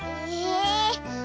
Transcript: え。